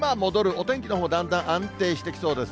お天気のほう、だんだん安定してきそうです。